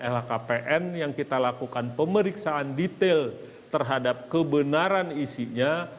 lhkpn yang kita lakukan pemeriksaan detail terhadap kebenaran isinya